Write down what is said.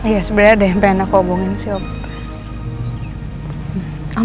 ya sebenarnya ada yang pengen aku obongin sih om